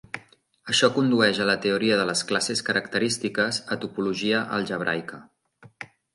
Això condueix a la teoria de les classes característiques a topologia algebraica.